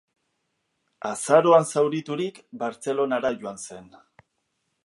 Azaroan zauriturik, Bartzelonara joan zen.